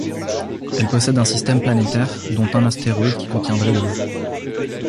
Elle possède un système planétaire, dont un astéroïde qui contiendrait de l'eau.